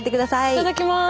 いただきます。